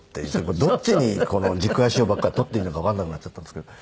これどっちに軸足を取っていいのかわからなくなっちゃったんですけど。